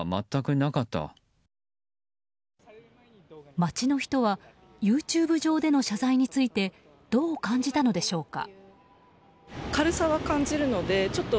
街の人はＹｏｕＴｕｂｅ上での謝罪についてどう感じたのでしょうか。